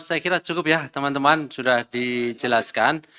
saya kira cukup ya teman teman sudah dijelaskan